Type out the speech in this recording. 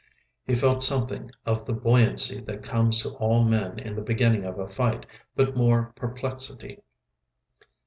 He felt something of the buoyancy that comes to all men in the beginning of a fight, but more perplexity.